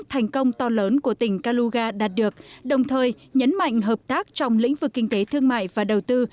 thành công to lớn của tỉnh kaluga đạt được đồng thời nhấn mạnh hợp tác trong lĩnh vực kinh tế thương mại và đầu tư